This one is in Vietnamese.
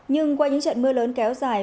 nhưng qua những trận mưa lớn kéo dài